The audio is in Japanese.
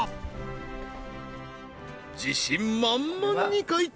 自信満々に解答